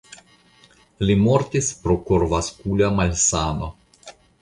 Li mortis pro korvaskula malsano.